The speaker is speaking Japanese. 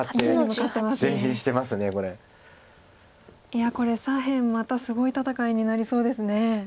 いやこれ左辺またすごい戦いになりそうですね。